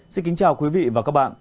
xin kính chào quý vị và các bạn